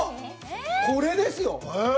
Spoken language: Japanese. これですよ。